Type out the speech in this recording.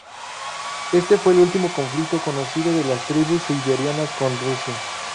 Éste fue el último conflicto conocido de las tribus siberianas con Rusia.